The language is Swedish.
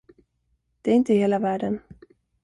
Det är inte hela världen.